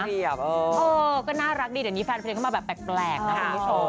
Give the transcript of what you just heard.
เออก็น่ารักดีเดี๋ยวนี้แฟนเพลงเข้ามาแบบแปลกนะคุณผู้ชม